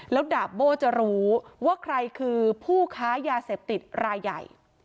แล้วดาบโบ้จะรู้ว่าใครคือผู้ค้ายาเสพติดรายใหญ่